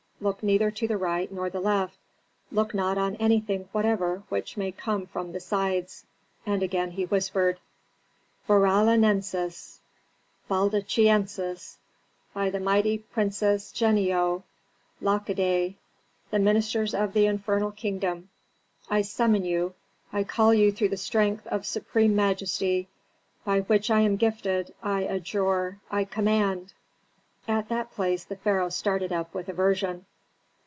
Look neither to the right nor the left, look not on anything whatever which may come from the sides." And again he whispered, "Baralanensis, Baldachiensis, by the mighty princes Genio, Lachidae, the ministers of the infernal kingdom, I summon you, I call you through the strength of Supreme Majesty, by which I am gifted, I adjure, I command!" At that place the pharaoh started up with aversion.